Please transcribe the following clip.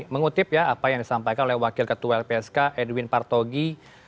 mengutip ya apa yang disampaikan oleh wakil ketua lpsk edwin partogi